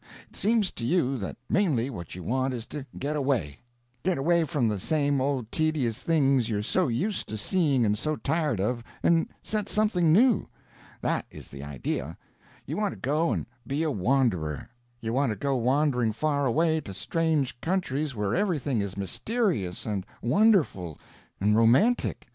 It seems to you that mainly what you want is to get away; get away from the same old tedious things you're so used to seeing and so tired of, and set something new. That is the idea; you want to go and be a wanderer; you want to go wandering far away to strange countries where everything is mysterious and wonderful and romantic.